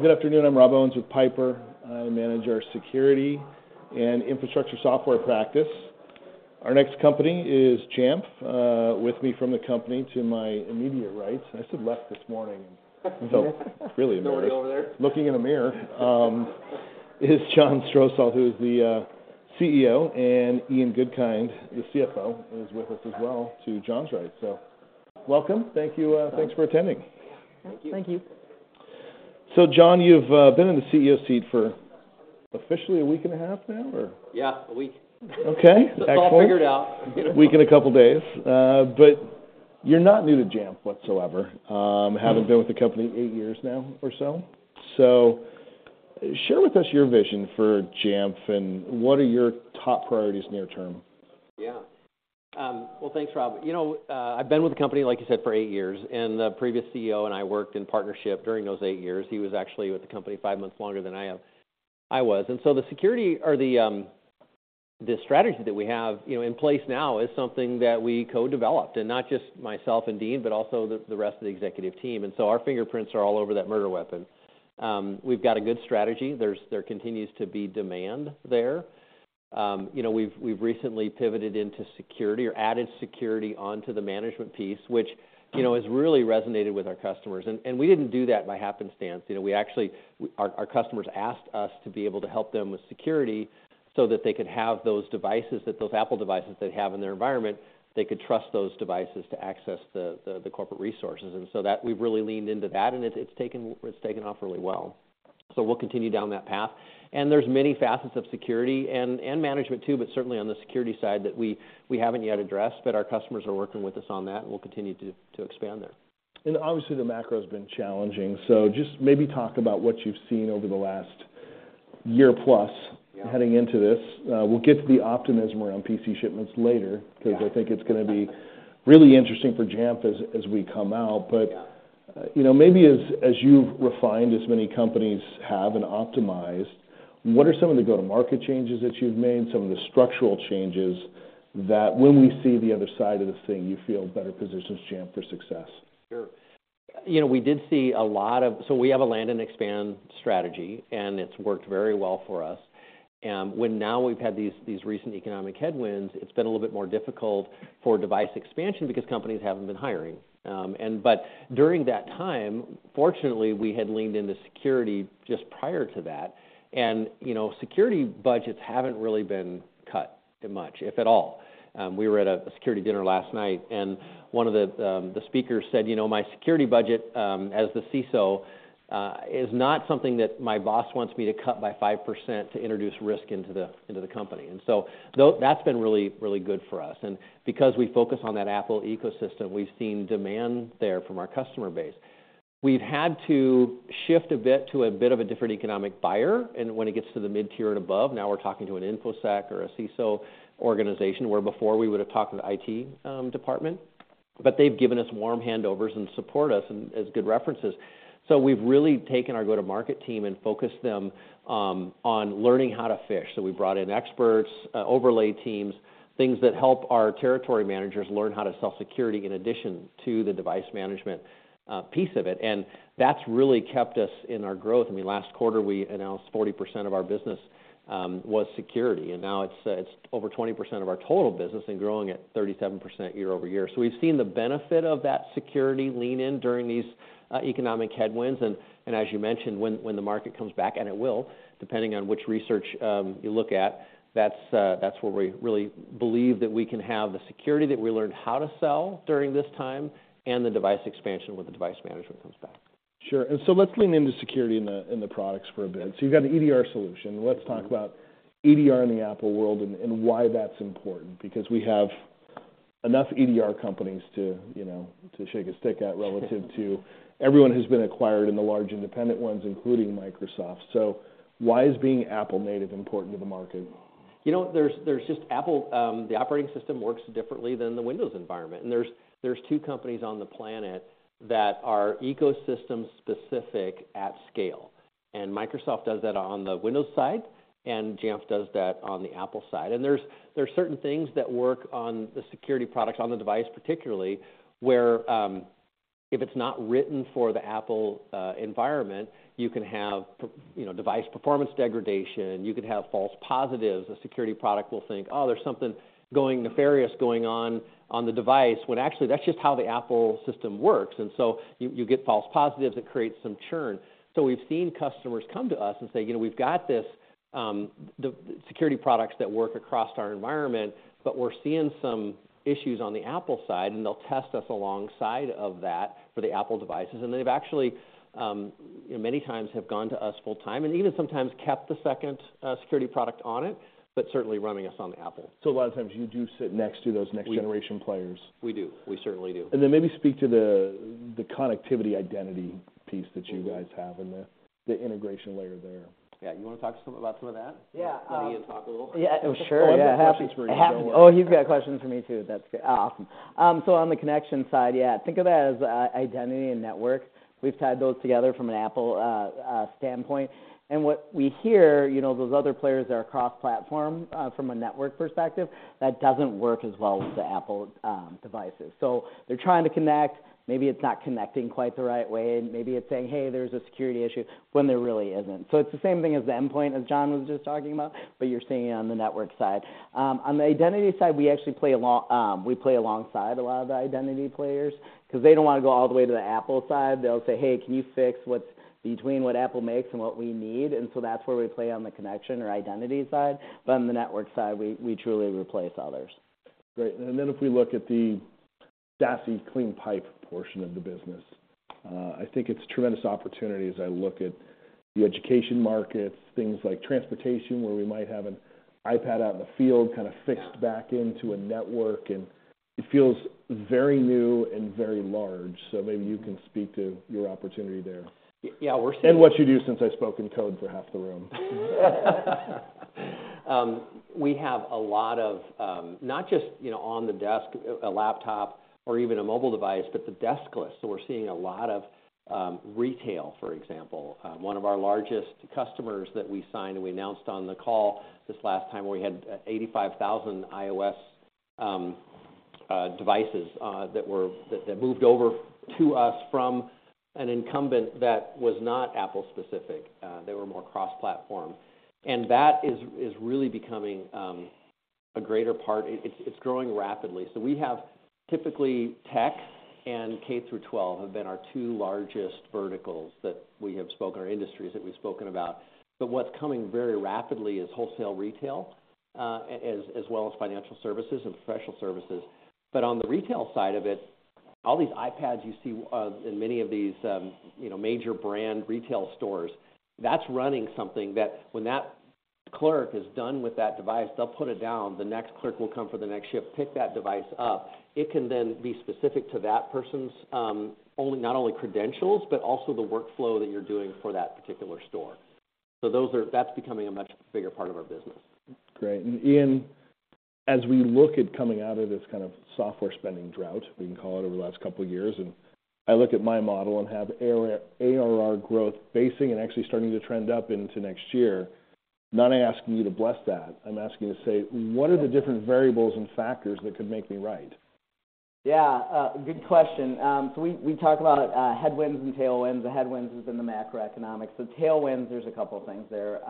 All right. Well, good afternoon. I'm Rob Owens with Piper. I manage our security and infrastructure software practice. Our next company is Jamf. With me from the company to my immediate right. I said left this morning, so really embarrassed. Nobody over there? Looking in a mirror is John Strosahl, who is the CEO, and Ian Goodkind, the CFO, is with us as well to John's right. So welcome. Thank you, thanks for attending. Thank you. Thank you. So John, you've been in the CEO seat for officially a week and a half now, or? Yeah, a week. Okay, excellent. It's all figured out. A week and a couple of days. But you're not new to Jamf whatsoever. Having been with the company eight years now or so. So share with us your vision for Jamf, and what are your top priorities near term? Yeah. Well, thanks, Rob. You know, I've been with the company, like you said, for eight years, and the previous CEO and I worked in partnership during those eight years. He was actually with the company five months longer than I have—I was. And so the security or the strategy that we have, you know, in place now is something that we co-developed, and not just myself and Dean, but also the rest of the executive team, and so our fingerprints are all over that murder weapon. We've got a good strategy. There continues to be demand there. You know, we've recently pivoted into security or added security onto the management piece, which, you know, has really resonated with our customers. And we didn't do that by happenstance. You know, we actually—our customers asked us to be able to help them with security so that they could have those devices, those Apple devices they have in their environment, they could trust those devices to access the corporate resources. And so that, we've really leaned into that, and it's taken off really well. So we'll continue down that path. And there's many facets of security and management too, but certainly on the security side that we haven't yet addressed, but our customers are working with us on that, and we'll continue to expand there. Obviously, the macro has been challenging, so just maybe talk about what you've seen over the last year plus-heading into this. We'll get to the optimism around PC shipments later because I think it's gonna be really interesting for Jamf as we come out. Yeah. You know, maybe as you've refined, as many companies have and optimized, what are some of the go-to-market changes that you've made, some of the structural changes, that when we see the other side of this thing, you feel better positions Jamf for success? Sure. You know, we did see a lot of. So we have a land and expand strategy, and it's worked very well for us. When now we've had these recent economic headwinds, it's been a little bit more difficult for device expansion because companies haven't been hiring. And but during that time, fortunately, we had leaned into security just prior to that. And, you know, security budgets haven't really been cut that much, if at all. We were at a security dinner last night, and one of the speakers said, "You know, my security budget as the CISO is not something that my boss wants me to cut by 5% to introduce risk into the company." And so though that's been really, really good for us. Because we focus on that Apple ecosystem, we've seen demand there from our customer base. We've had to shift a bit to a different economic buyer, and when it gets to the mid-tier and above, now we're talking to an InfoSec or a CISO organization, where before, we would have talked to the IT department. But they've given us warm handovers and support us and as good references. So we've really taken our go-to-market team and focused them on learning how to fish. So we brought in experts, overlay teams, things that help our territory managers learn how to sell security in addition to the device management piece of it, and that's really kept us in our growth. I mean, last quarter, we announced 40% of our business was security, and now it's, it's over 20% of our total business and growing at 37% year-over-year. So we've seen the benefit of that security lean in during these economic headwinds, and, and as you mentioned, when, when the market comes back, and it will, depending on which research you look at, that's, that's where we really believe that we can have the security that we learned how to sell during this time and the device expansion when the device management comes back. Sure. And so let's lean into security in the products for a bit. So you've got an EDR solution. Let's talk about EDR in the Apple world and why that's important, because we have enough EDR companies to, you know, to shake a stick at relative to everyone who's been acquired in the large independent ones, including Microsoft. So why is being Apple native important to the market? You know, there's just Apple. The operating system works differently than the Windows environment, and there are two companies on the planet that are ecosystem-specific at scale, and Microsoft does that on the Windows side, and Jamf does that on the Apple side. And there are certain things that work on the security products, on the device particularly, where if it's not written for the Apple environment, you can have per, you know, device performance degradation, you could have false positives. A security product will think, "Oh, there's something going nefarious going on on the device," when actually, that's just how the Apple system works. And so you get false positives that create some churn. So we've seen customers come to us and say, "You know, we've got this, the security products that work across our environment, but we're seeing some issues on the Apple side," and they'll test us alongside of that for the Apple devices. And they've actually, many times have gone to us full-time and even sometimes kept the second, security product on it, but certainly running us on the Apple. A lot of times you do sit next to those next-generation players. We do. We certainly do. Then, maybe speak to the connectivity identity piece that you guys have and the integration layer there. Yeah. You wanna talk some, about some of that? Yeah. Let Ian talk a little. Yeah. Oh, sure. I have questions for you, don't worry. Oh, he's got questions for me, too. That's good. Awesome. So on the connection side, yeah, think of it as identity and network. We've tied those together from an Apple standpoint. And what we hear, you know, those other players that are cross-platform from a network perspective, that doesn't work as well with the Apple devices. So they're trying to connect, maybe it's not connecting quite the right way, and maybe it's saying, "Hey, there's a security issue," when there really isn't. So it's the same thing as the endpoint as John was just talking about, but you're seeing it on the network side. On the identity side, we actually play along, we play alongside a lot of the identity players, 'cause they don't wanna go all the way to the Apple side. They'll say, "Hey, can you fix what's between what Apple makes and what we need?" And so that's where we play on the connection or identity side, but on the network side, we truly replace others. Great. And then if we look at the SASE clean pipe portion of the business, I think it's tremendous opportunity as I look at the education markets, things like transportation, where we might have an iPad out in the field, kind of fixed back-into a network, and it feels very new and very large. So maybe you can speak to your opportunity there. Yeah, we're seeing- What you do, since I spoke in code for half the room. We have a lot of, not just, you know, on the desk, a laptop or even a mobile device, but the deskless. So we're seeing a lot of retail, for example. One of our largest customers that we signed, and we announced on the call this last time, where we had 85,000 iOS devices that moved over to us from an incumbent that was not Apple specific. They were more cross-platform. And that is really becoming a greater part. It's growing rapidly. So we have typically, tech and K through 12 have been our two largest verticals that we have spoken, or industries that we've spoken about. But what's coming very rapidly is wholesale, retail, as well as financial services and professional services. On the retail side of it, all these iPads you see in many of these, you know, major brand retail stores, that's running something that when that clerk is done with that device, they'll put it down. The next clerk will come for the next shift, pick that device up. It can then be specific to that person's not only credentials, but also the workflow that you're doing for that particular store. So that's becoming a much bigger part of our business. Great. Ian, as we look at coming out of this kind of software spending drought, we can call it, over the last couple of years, and I look at my model and have ARR growth basing and actually starting to trend up into next year. I'm not asking you to bless that. I'm asking you to say, what are the different variables and factors that could make me right? Yeah, a good question. So we talk about headwinds and tailwinds. The headwinds is in the macroeconomics. So tailwinds, there's a couple of things there.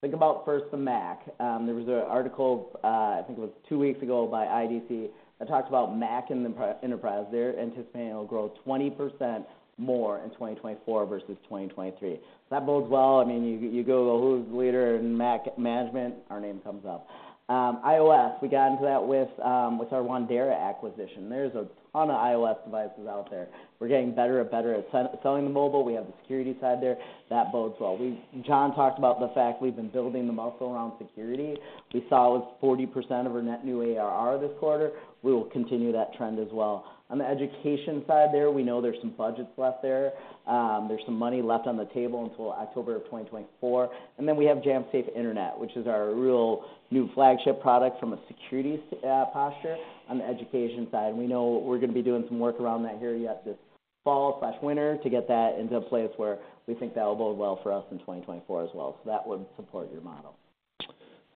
Think about first, the Mac. There was an article, I think it was two weeks ago by IDC, that talked about Mac in the enterprise there, anticipating it'll grow 20% more in 2024 versus 2023. That bodes well. I mean, you go to who's the leader in Mac management, our name comes up. iOS, we got into that with our Wandera acquisition. There's a ton of iOS devices out there. We're getting better and better at selling the mobile. We have the security side there. That bodes well. John talked about the fact we've been building the muscle around security. We saw it was 40% of our net new ARR this quarter. We will continue that trend as well. On the education side there, we know there's some budgets left there. There's some money left on the table until October 2024. And then we have Jamf Safe Internet, which is our real new flagship product from a security posture on the education side. And we know we're gonna be doing some work around that here yet this fall/winter to get that into a place where we think that'll bode well for us in 2024 as well. So that would support your model.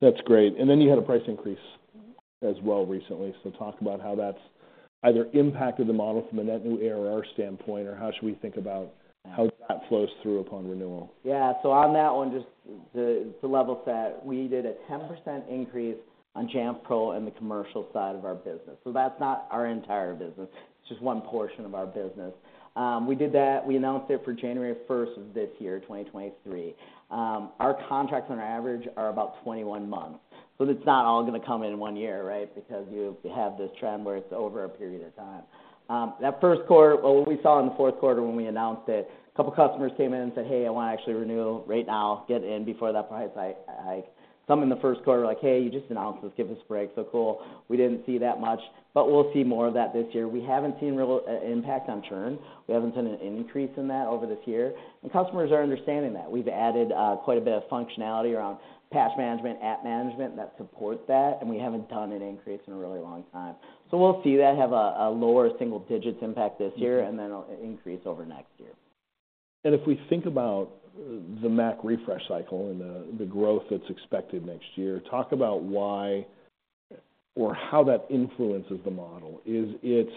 That's great. And then you had a price increase. As well recently. So talk about how that's either impacted the model from a net new ARR standpoint, or how should we think about how that flows through upon renewal? Yeah. So on that one, just to level set, we did a 10% increase on Jamf Pro and the commercial side of our business. So that's not our entire business, it's just one portion of our business. We did that. We announced it for January first of this year, 2023. Our contracts on average are about 21 months, so it's not all gonna come in in one year, right? Because you have this trend where it's over a period of time. That first quarter, well, what we saw in the fourth quarter when we announced it, a couple of customers came in and said, "Hey, I wanna actually renew right now, get in before that price hike, hike." Some in the first quarter were like: "Hey, you just announced this. Give us a break." So cool. We didn't see that much, but we'll see more of that this year. We haven't seen real impact on churn. We haven't seen an increase in that over this year, and customers are understanding that. We've added quite a bit of functionality around patch management, app management, that supports that, and we haven't done an increase in a really long time. So we'll see that have a lower single digits impact this year-and then it'll increase over next year. If we think about the Mac refresh cycle and the growth that's expected next year, talk about why or how that influences the model. Is it,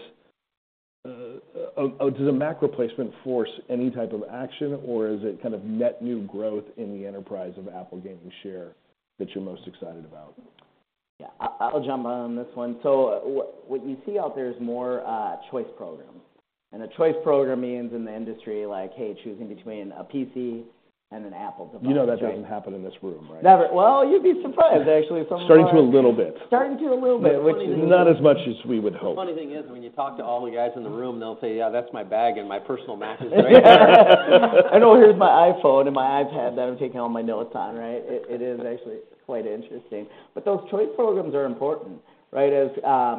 does a Mac replacement force any type of action, or is it kind of net new growth in the enterprise of Apple gaining share that you're most excited about? Yeah, I'll jump on this one. So what you see out there is more choice programs. And a choice program means in the industry, like, hey, choosing between a PC and an Apple device, right? You know, that doesn't happen in this room, right? Never. Well, you'd be surprised, actually. Some of our. Starting to a little bit. Starting to a little bit, which is. Not as much as we would hope. The funny thing is, when you talk to all the guys in the room, they'll say: "Yeah, that's my bag and my personal Mac is right there. Oh, here's my iPhone and my iPad that I'm taking all my notes on," right? It is actually quite interesting. But those choice programs are important, right? As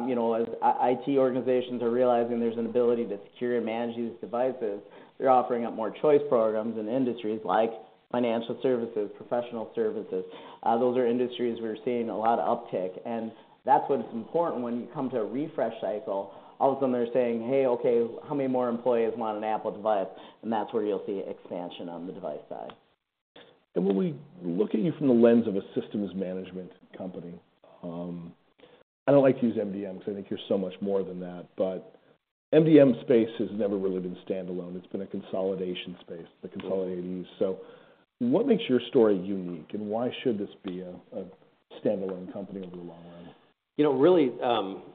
you know, as IT organizations are realizing there's an ability to secure and manage these devices, they're offering up more choice programs in industries like financial services, professional services. Those are industries we're seeing a lot of uptick, and that's what is important when you come to a refresh cycle. All of a sudden, they're saying: "Hey, okay, how many more employees want an Apple device?" And that's where you'll see expansion on the device side. When we look at you from the lens of a systems management company, I don't like to use MDM, because I think you're so much more than that. But MDM space has never really been standalone. It's been a consolidation space, the consolidated use. So what makes your story unique, and why should this be a standalone company over the long run? You know, really,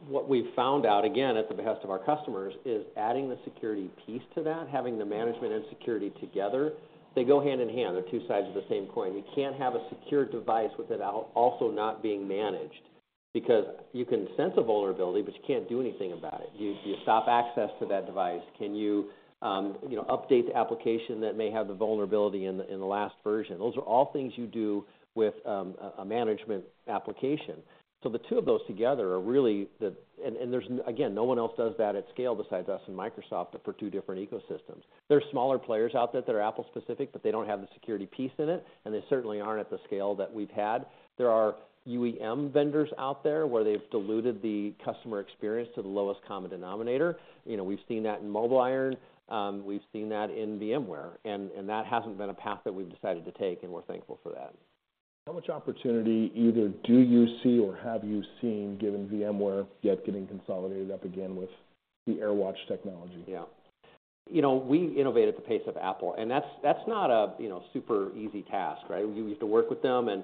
what we've found out, again, at the behest of our customers, is adding the security piece to that, having the management and security together, they go hand in hand. They're two sides of the same coin. You can't have a secure device with it also not being managed, because you can sense a vulnerability, but you can't do anything about it. Do you stop access to that device? Can you, you know, update the application that may have the vulnerability in the, in the last version? Those are all things you do with a management application. So the two of those together are really the and, and there's, again, no one else does that at scale besides us and Microsoft, but for two different ecosystems. There are smaller players out there that are Apple-specific, but they don't have the security piece in it, and they certainly aren't at the scale that we've had. There are UEM vendors out there, where they've diluted the customer experience to the lowest common denominator. You know, we've seen that in MobileIron. We've seen that in VMware, and that hasn't been a path that we've decided to take, and we're thankful for that. How much opportunity either do you see or have you seen, given VMware yet getting consolidated up again with the AirWatch technology? Yeah. You know, we innovate at the pace of Apple, and that's not a, you know, super easy task, right? We have to work with them, and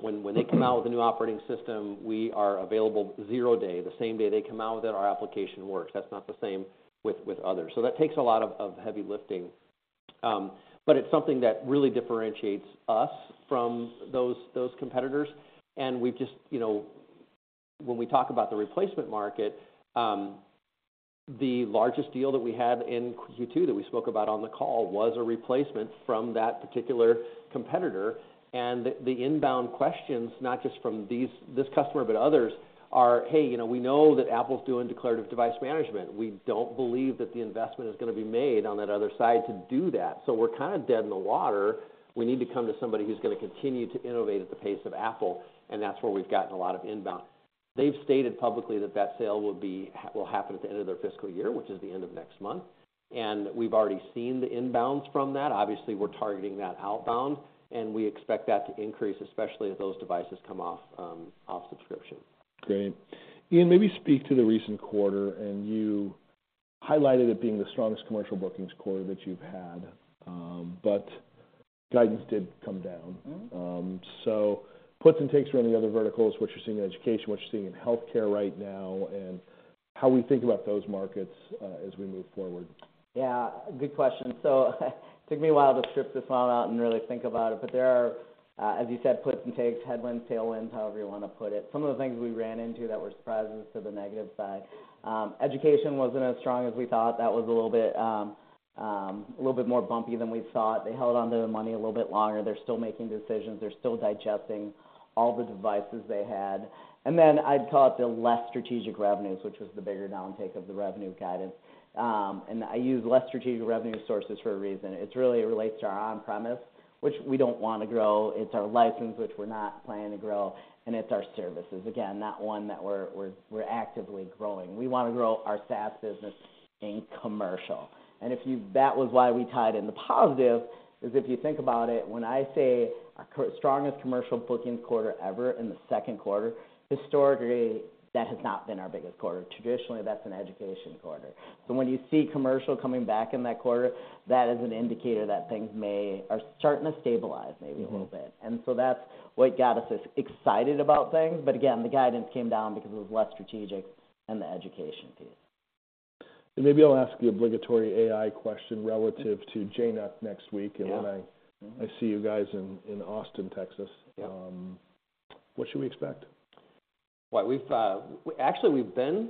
when they come out with a new operating system, we are available zero-day. The same day they come out with it, our application works. That's not the same with others. So that takes a lot of heavy lifting. But it's something that really differentiates us from those competitors, and we've just... You know, when we talk about the replacement market, the largest deal that we had in Q2 that we spoke about on the call was a replacement from that particular competitor. And the inbound questions, not just from this customer, but others, are, "Hey, you know, we know that Apple's doing Declarative Device Management. We don't believe that the investment is gonna be made on that other side to do that, so we're kind of dead in the water. We need to come to somebody who's gonna continue to innovate at the pace of Apple," and that's where we've gotten a lot of inbound. They've stated publicly that that sale will happen at the end of their fiscal year, which is the end of next month, and we've already seen the inbounds from that. Obviously, we're targeting that outbound, and we expect that to increase, especially as those devices come off subscription. Great. Ian, maybe speak to the recent quarter, and you highlighted it being the strongest commercial bookings quarter that you've had, but guidance did come down. Mm-hmm. So puts and takes from any other verticals, what you're seeing in education, what you're seeing in healthcare right now, and how we think about those markets, as we move forward. Yeah, good question. So took me a while to strip this one out and really think about it, but there are, as you said, puts and takes, headwinds, tailwinds, however you wanna put it. Some of the things we ran into that were surprises to the negative side. Education wasn't as strong as we thought. That was a little bit more bumpy than we thought. They held onto their money a little bit longer. They're still making decisions. They're still digesting all the devices they had. And then I'd call it the less strategic revenues, which was the bigger down take of the revenue guidance. And I use less strategic revenue sources for a reason. It's really relates to our on-premise, which we don't wanna grow, it's our license, which we're not planning to grow, and it's our services. Again, not one that we're actively growing. We wanna grow our SaaS business in commercial. That was why we tied in the positive, is if you think about it, when I say our strongest commercial bookings quarter ever in the second quarter, historically, that has not been our biggest quarter. Traditionally, that's an education quarter. So when you see commercial coming back in that quarter, that is an indicator that things may are starting to stabilize maybe a little bit. Mm-hmm. And so that's what got us as excited about things. But again, the guidance came down because it was less strategic and the education piece. Maybe I'll ask the obligatory AI question relative to JNUC next week. Yeah. And when I see you guys in Austin, Texas. Yeah. What should we expect? Well, we've actually been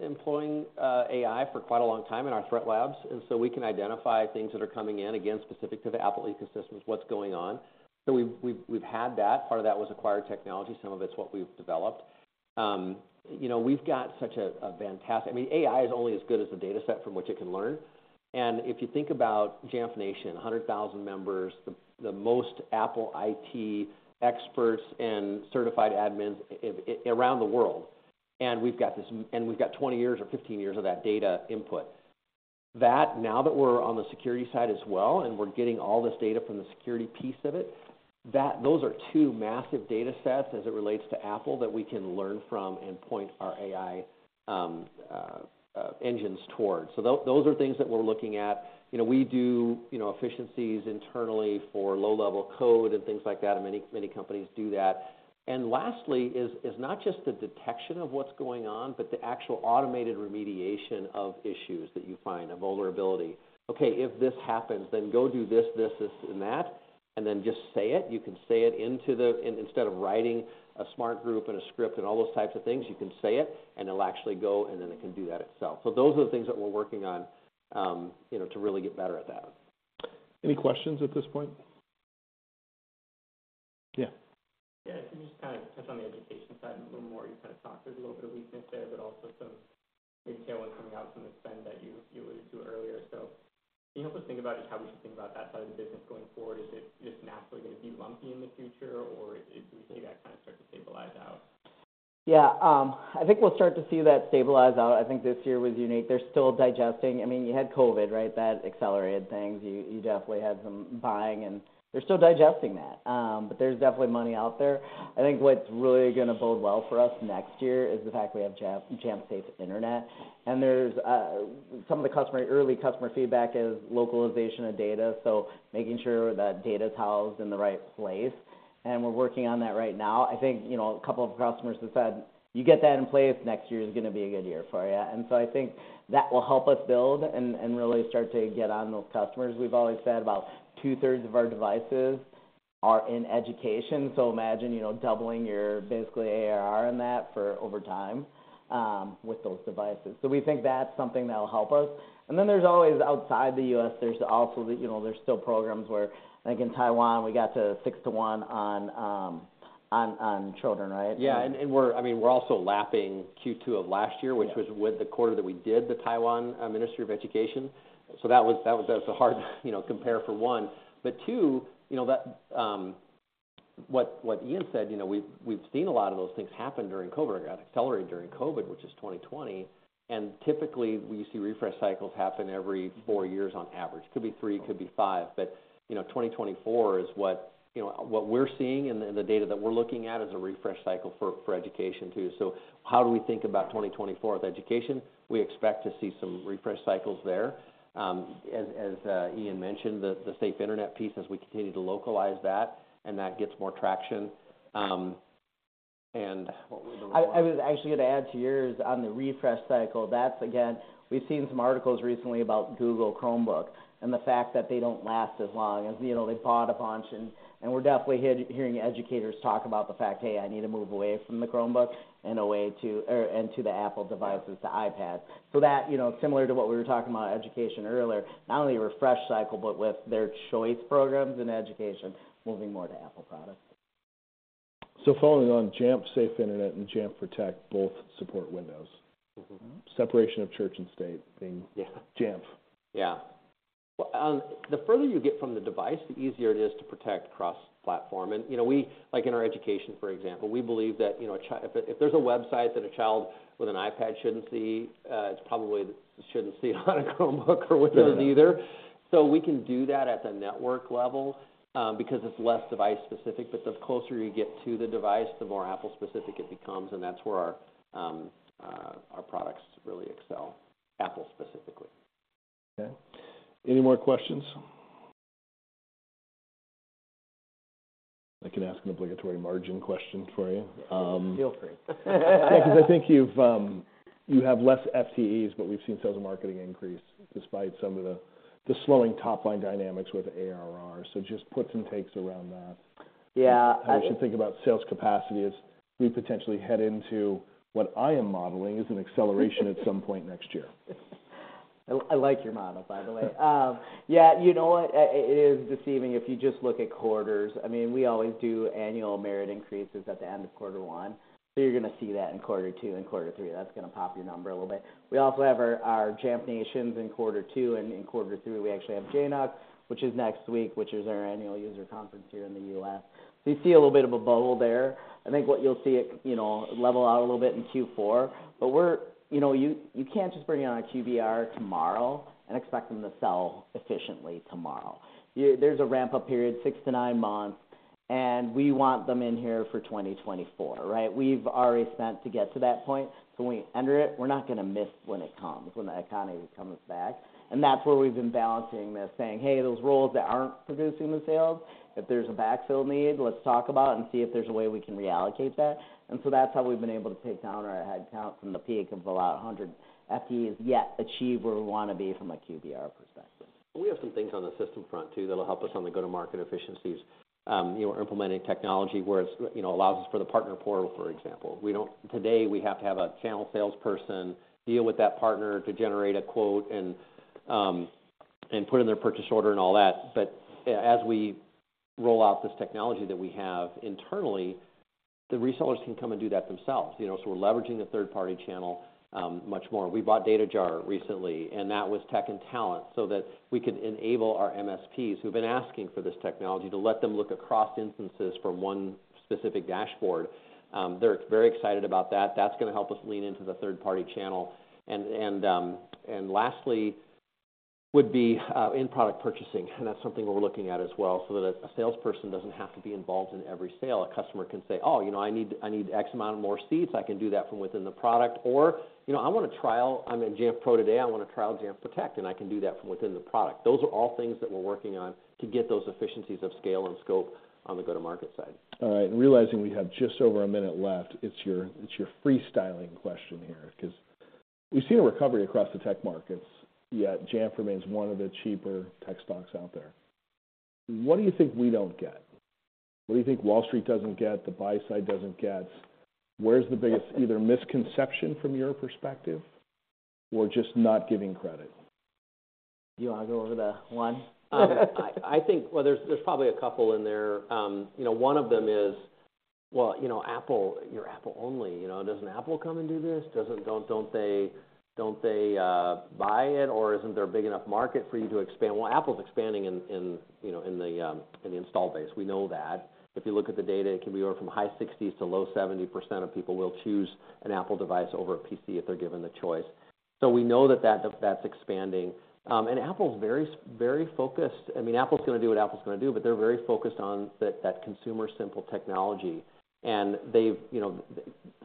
employing AI for quite a long time in our Threat Labs, and so we can identify things that are coming in, again, specific to the Apple ecosystems, what's going on. So we've had that. Part of that was acquired technology, some of it's what we've developed. You know, we've got such a fantastic—I mean, AI is only as good as the data set from which it can learn. And if you think about Jamf Nation, 100,000 members, the most Apple IT experts and certified admins around the world, and we've got 20 years or 15 years of that data input. That now that we're on the security side as well, and we're getting all this data from the security piece of it, that... Those are two massive data sets as it relates to Apple that we can learn from and point our AI engines towards. So those are things that we're looking at. You know, we do, you know, efficiencies internally for low-level code and things like that. Many, many companies do that. And lastly is not just the detection of what's going on, but the actual automated remediation of issues that you find, a vulnerability. "Okay, if this happens, then go do this, this, this, and that, and then just say it." You can say it into the instead of writing a smart group and a script and all those types of things, you can say it, and it'll actually go, and then it can do that itself. So those are the things that we're working on, you know, to really get better at that. Any questions at this point? Yeah. Yeah, can you just kind of touch on the education side a little more? You kind of talked there's a little bit of weakness there, but also some tailwind coming out from the spend that you alluded to earlier... Can you help us think about just how we should think about that side of the business going forward? Is it just naturally gonna be lumpy in the future, or do we see that kind of start to stabilize out? Yeah, I think we'll start to see that stabilize out. I think this year was unique. They're still digesting. I mean, you had COVID, right? That accelerated things. You definitely had some buying, and they're still digesting that. But there's definitely money out there. I think what's really gonna bode well for us next year is the fact we have Jamf Safe Internet. And there's some of the early customer feedback is localization of data, so making sure that data's housed in the right place, and we're working on that right now. I think, you know, a couple of customers have said, "You get that in place, next year is gonna be a good year for you." And so I think that will help us build and really start to get on those customers. We've always said about two-thirds of our devices are in education, so imagine, you know, doubling your basically ARR in that for over time, with those devices. So we think that's something that'll help us. And then there's always outside the U.S., there's also the, you know, there's still programs where, like in Taiwan, we got to 6-to-1 on children, right? Yeah, and we're—I mean, we're also lapping Q2 of last year-which was with the quarter that we did, the Taiwan Ministry of Education. So that was, that was, that was a hard, you know, compare for one. But two, you know, that, what Ian said, you know, we've, we've seen a lot of those things happen during COVID, or got accelerated during COVID, which is 2020. And typically, we see refresh cycles happen every four years on average. Could be three, could be five, but, you know, 2024 is what, you know, what we're seeing and the, and the data that we're looking at is a refresh cycle for, for education, too. So how do we think about 2024 with education? We expect to see some refresh cycles there. As Ian mentioned, the Safe Internet piece, as we continue to localize that, and that gets more traction. What were the other ones? I was actually gonna add to yours on the refresh cycle. That's again, we've seen some articles recently about Google Chromebook and the fact that they don't last as long as, you know, they bought a bunch. And we're definitely hearing educators talk about the fact, "Hey, I need to move away from the Chromebook," in a way or and to the Apple devices, the iPad. Yeah. So, that, you know, similar to what we were talking about education earlier, not only a refresh cycle, but with their choice programs in education, moving more to Apple products. Following on Jamf Safe Internet and Jamf Protect, both support Windows. Mm-hmm. Separation of church and state being. Yeah Jamf. Yeah. Well, the further you get from the device, the easier it is to protect cross-platform. And, you know, we, like in our education, for example, we believe that, you know, if there's a website that a child with an iPad shouldn't see, it's probably shouldn't see on a Chromebook or Windows either. Yeah. So we can do that at the network level, because it's less device specific, but the closer you get to the device, the more Apple-specific it becomes, and that's where our products really excel, Apple specifically. Okay. Any more questions? I can ask an obligatory margin question for you. Feel free. Yeah, 'cause I think you have less FTEs, but we've seen sales and marketing increase despite some of the slowing top-line dynamics with ARR. So just puts and takes around that. Yeah, I. How we should think about sales capacity as we potentially head into what I am modeling is an acceleration at some point next year. I like your model, by the way. Yeah, you know what? It is deceiving if you just look at quarters. I mean, we always do annual merit increases at the end of quarter one, so you're gonna see that in quarter two and quarter three. That's gonna pop your number a little bit. We also have our Jamf Nations in quarter two, and in quarter three, we actually have JNUC, which is next week, which is our annual user conference here in the U.S. So you see a little bit of a bubble there. I think what you'll see it, you know, level out a little bit in Q4, but we're. You know, you can't just bring on a QBR tomorrow and expect them to sell efficiently tomorrow. There's a ramp-up period, six to nine months, and we want them in here for 2024, right? We've already spent to get to that point, so when we enter it, we're not gonna miss when it comes, when the economy comes back. And that's where we've been balancing the saying, "Hey, those roles that aren't producing the sales, if there's a backfill need, let's talk about it and see if there's a way we can reallocate that." And so that's how we've been able to take down our headcount from the peak of about 100 FTEs, yet achieve where we wanna be from a QBR perspective. We have some things on the system front, too, that'll help us on the go-to-market efficiencies. We're implementing technology, whereas, you know, allows us for the partner portal, for example. We don't today, we have to have a channel salesperson deal with that partner to generate a quote and, and put in their purchase order and all that. But as we roll out this technology that we have internally, the resellers can come and do that themselves, you know? So we're leveraging the third-party channel much more. We bought dataJAR recently, and that was tech and talent, so that we could enable our MSPs, who've been asking for this technology, to let them look across instances from one specific dashboard. They're very excited about that. That's gonna help us lean into the third-party channel. Lastly, would be in-product purchasing, and that's something we're looking at as well, so that a salesperson doesn't have to be involved in every sale. A customer can say, "Oh, you know, I need X amount of more seats." I can do that from within the product. Or, "You know, I want to trial. I'm in Jamf Pro today. I want to trial Jamf Protect," and I can do that from within the product. Those are all things that we're working on to get those efficiencies of scale and scope on the go-to-market side. All right, and realizing we have just over a minute left, it's your freestyling question here, 'cause we've seen a recovery across the tech markets, yet Jamf remains one of the cheaper tech stocks out there. What do you think we don't get? What do you think Wall Street doesn't get, the buy side doesn't get? Where's the biggest either misconception from your perspective or just not giving credit? You wanna go over the one? I think... Well, there's probably a couple in there. You know, one of them is, well, you know, Apple, you're Apple only, you know? Doesn't Apple come and do this? Don't they buy it, or isn't there a big enough market for you to expand? Well, Apple's expanding in, you know, in the install base. We know that. If you look at the data, it can be over from high 60s to low 70% of people will choose an Apple device over a PC if they're given the choice. So we know that that's expanding. And Apple's very s- very focused. I mean, Apple's gonna do what Apple's gonna do, but they're very focused on that consumer simple technology. And they've, you know,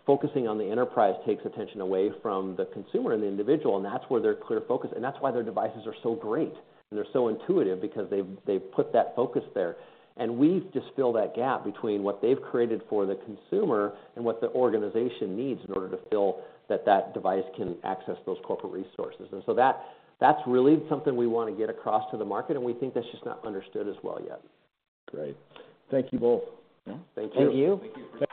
focusing on the enterprise takes attention away from the consumer and the individual, and that's where their clear focus, and that's why their devices are so great and they're so intuitive, because they've, they've put that focus there. And we've just filled that gap between what they've created for the consumer and what the organization needs in order to feel that that device can access those corporate resources. And so that, that's really something we wanna get across to the market, and we think that's just not understood as well yet. Great. Thank you both. Yeah, thank you. Thank you. Thank you.